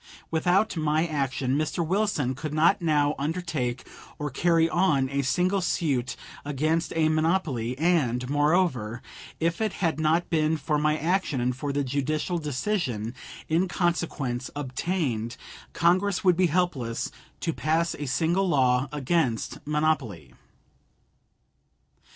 Without my action Mr. Wilson could not now undertake or carry on a single suit against a monopoly, and, moreover, if it had not been for my action and for the judicial decision in consequence obtained, Congress would be helpless to pass a single law against monopoly.